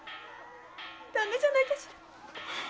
ダメじゃないかしら？